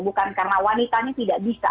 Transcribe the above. bukan karena wanitanya tidak bisa